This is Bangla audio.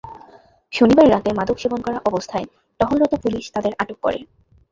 শনিবার রাতে মাদক সেবন করা অবস্থায় টহলরত পুলিশ তাদের আটক করে।